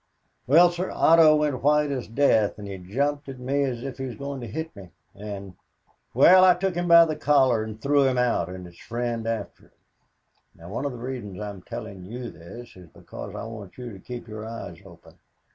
"Well, sir, Otto went white as death and he jumped at me as if he was going to hit me and, well, I took him by the collar and threw him out and his friend after him. "Now, one of the reasons I am telling you this is because I want you to keep your eyes open.